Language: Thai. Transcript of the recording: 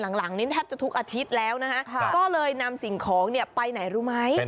หลังนี้แทบจะทุกอาทิตย์แล้วนะฮะก็เลยนำสิ่งของเนี่ยไปไหนรู้ไหม